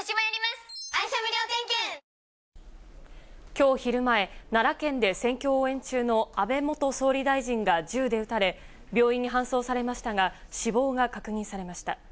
きょう昼前、奈良県で選挙応援中の安倍元総理大臣が銃で撃たれ、病院に搬送されましたが、死亡が確認されました。